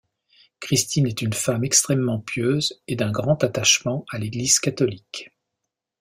Christine est une femme extrêmement pieuse et d'un grand attachement à l'Église catholique.